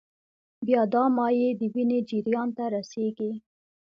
بیا دا مایع د وینې جریان ته رسېږي.